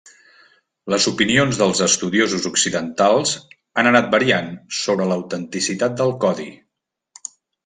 Les opinions dels estudiosos occidentals han anat variant sobre l'autenticitat del codi.